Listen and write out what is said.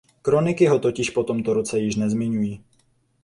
Kroniky ho totiž po tomto roce již nezmiňují.